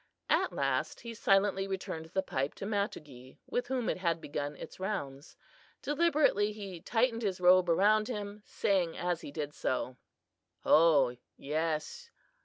At last he silently returned the pipe to Matogee, with whom it had begun its rounds. Deliberately he tightened his robe around him, saying as he did so: "Ho (Yes).